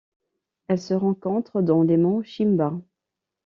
Elle se rencontre dans les monts Shimba.